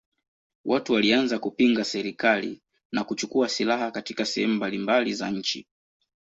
Watu walianza kupinga serikali na kuchukua silaha katika sehemu mbalimbali za nchi.